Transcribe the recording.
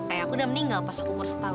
ayah aku udah meninggal pas aku umur setahun